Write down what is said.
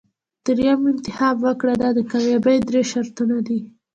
دریم انتخاب وکړه دا د کامیابۍ درې شرطونه دي.